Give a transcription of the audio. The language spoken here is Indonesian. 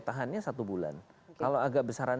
tahannya satu bulan kalau agak besaran